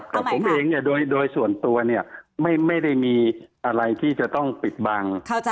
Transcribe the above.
แต่ผมเองเนี่ยโดยส่วนตัวเนี่ยไม่ได้มีอะไรที่จะต้องปิดบัง